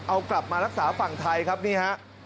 เอากลับมารักษาฝั่งไทยครับนี่ฮะ